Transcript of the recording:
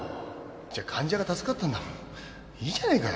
じゃあ患者が助かったんだもんいいじゃないかよ